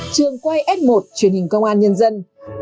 trường quay s một truyền hình công an nhân dân